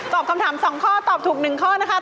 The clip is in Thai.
คำถาม๒ข้อตอบถูก๑ข้อนะคะ